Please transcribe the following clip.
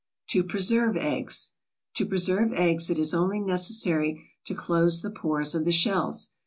TO PRESERVE EGGS To preserve eggs it is only necessary to close the pores of the shells.